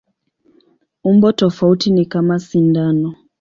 Umbo tofauti ni kama sindano.